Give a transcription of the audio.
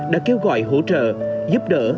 đã kêu gọi hỗ trợ giúp đỡ